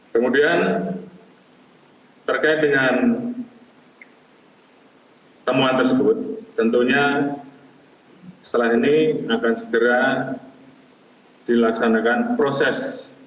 kemudian terkait dengan temuan tersebut tentunya setelah ini akan segera dilaksanakan proses